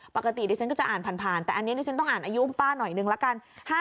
ปกติดิฉันก็จะอ่านผ่านแต่อันนี้ดิฉันต้องอ่านอายุป้าหน่อยนึงละกัน